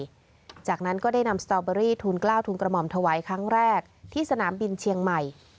หลังจากนั้นก็ได้นำสตอเบอรี่ทูลกล้าวทุนกระหม่อมถวายครั้งแรกที่สนามบินเชียงใหม่